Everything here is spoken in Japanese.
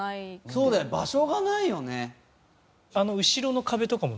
そうだよ場所がないよね。